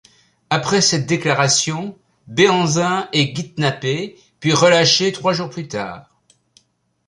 Après cette déclaration, Béhanzin est kidnappé, puis relâché trois jours plus tard.